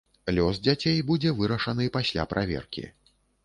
Лёс дзяцей будзе вырашаны пасля праверкі.